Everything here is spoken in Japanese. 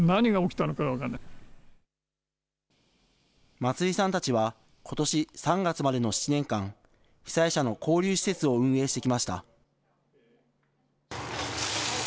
松井さんたちは、ことし３月までの７年間、被災者の交流施設を運営してきました。